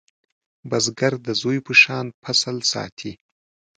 بزګر د زوی په شان فصل ساتي